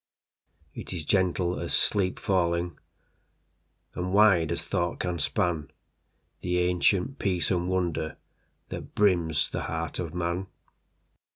It is gentle as sleep fallingAnd wide as thought can span, The ancient peace and wonderThat brims the heart of man.